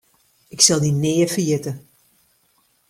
Ik sil dy nea ferjitte.